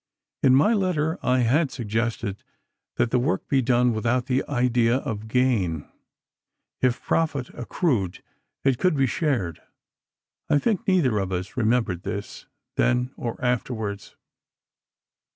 In my letter I had suggested that the work be done without the idea of gain. If profit accrued it could be shared. I think neither of us remembered this—then, or afterwards.